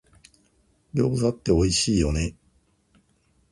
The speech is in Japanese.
餃子っておいしいよね